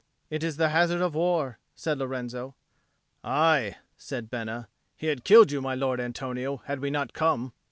"It is the hazard of war," said Lorenzo. "Aye," said Bena. "He had killed you, my Lord Antonio, had we not come."